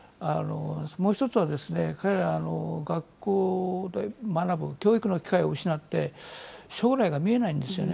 もう一つは彼ら、学校で学ぶ、教育の機会を失って、将来が見えないんですよね。